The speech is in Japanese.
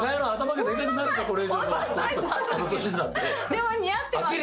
でも似合ってます。